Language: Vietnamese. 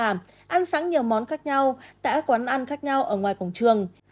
ăn sẵn nhiều món khác nhau tại các quán ăn khác nhau ở ngoài cổng trường